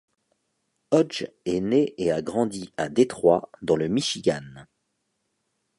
Hodge est né et a grandi à Détroit, dans le Michigan.